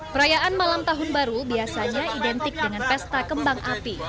perayaan malam tahun baru biasanya identik dengan pesta kembang api